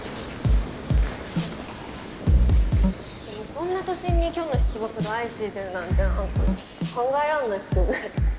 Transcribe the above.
こんな都心にキョンの出没が相次いでるなんてちょっと考えらんないっすよね。